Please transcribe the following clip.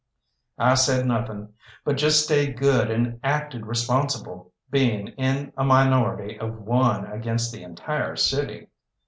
I said nothing, but just stayed good and acted responsible, being in a minority of one against the entire city.